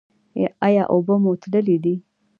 ایا اوبه مو تللې دي؟